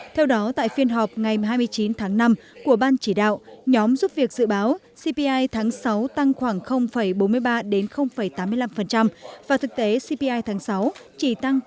theo đó tại phiên họp ngày hai mươi chín tháng năm của ban chỉ đạo nhóm giúp việc dự báo cpi tháng sáu tăng khoảng bốn mươi ba đến tám mươi năm và thực tế cpi tháng sáu chỉ tăng bốn